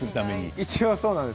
一応そうなんです。